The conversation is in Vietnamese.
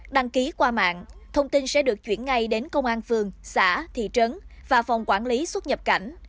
đăng ký qua mạng thông tin sẽ được chuyển ngay đến công an phường xã thị trấn và phòng quản lý xuất nhập cảnh